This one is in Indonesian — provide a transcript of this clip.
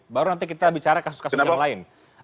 baru nanti kita bicara kasus kasus yang lain